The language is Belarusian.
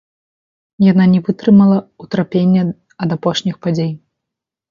Яна не вытрымала ўтрапення ад апошніх падзей.